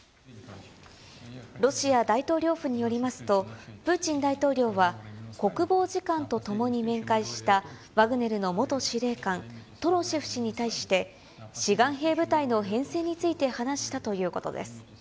ロシア大統領府によりますと、プーチン大統領は、国防次官とともに面会したワグネルの元司令官、トロシェフ氏に対して、志願兵部隊の編成について話したということです。